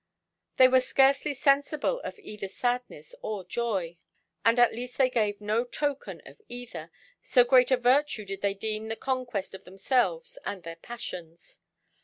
"They were scarcely sensible of either sadness or joy, or at least they gave no token of either, so great a virtue did they deem the conquest of themselves and their passions.